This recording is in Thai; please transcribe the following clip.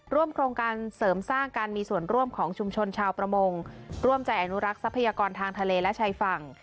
โครงการเสริมสร้างการมีส่วนร่วมของชุมชนชาวประมงร่วมใจอนุรักษ์ทรัพยากรทางทะเลและชายฝั่ง